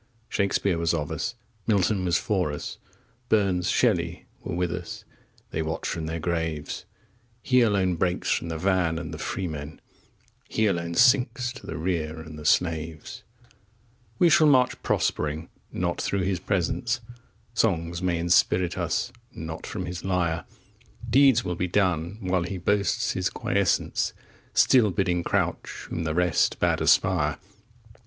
Shakespeare was of us, Milton was for us, Burns, Shelley, were with us they watch from their graves! He alone breaks from the van and the freemen, 15 He alone sinks to the rear and the slaves! We shall march prospering not through his presence; Songs may inspirit us not from his lyre; Deeds will be done while he boasts his quiescence, Still bidding crouch whom the rest bade aspire.